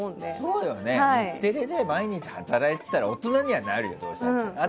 日テレで毎日働いてたら大人にはなるよ。